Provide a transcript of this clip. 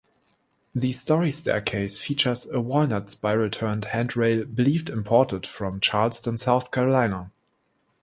The -story staircase features a walnut, spiral-turned handrail believed imported from Charleston, South Carolina.